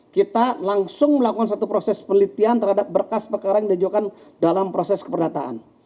kita langsung melakukan satu proses penelitian terhadap berkas perkara yang diajukan dalam proses keperdataan